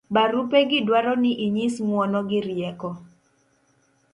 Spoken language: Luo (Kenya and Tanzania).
barupe gi dwaro ni inyis ng'uono gi rieko